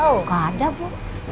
oh nggak ada bu